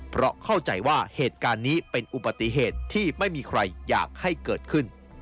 เพราะเข้าใจว่าเหตุการณ์นี้เป็นอุบัติเหตุที่ไม่มีใครอยากให้เกิดขึ้น